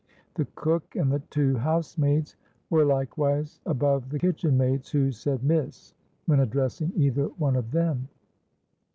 The cook and the two housemaids were likewise above the kitchen maids, who said 'Miss' when addressing either one of them.